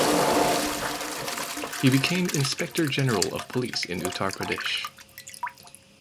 He became Inspector General of Police in Uttar Pradesh.